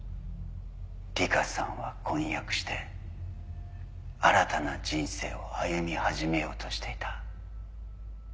「里香さんは婚約して新たな人生を歩み始めようとしていた」。